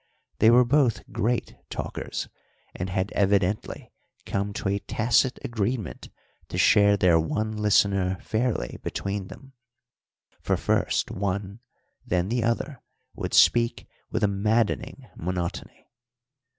They were both great talkers, and had evidently come to a tacit agreement to share their one listener fairly between them, for first one, then the other would speak with a maddening monotony.